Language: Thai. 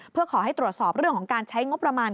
เพื่อขอให้ตรวจสอบเรื่องของการใช้งบประมาณ